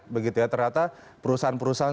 begitu ya ternyata perusahaan perusahaan